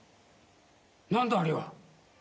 何だあれは？